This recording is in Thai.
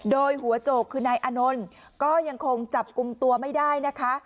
โดยหัวโจกคือนายอานนท์ก็ยังคงจับกลุ่มตัวไม่ได้นะคะ